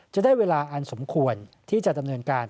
จะได้เวลาอันสมควรที่จะดำเนินการ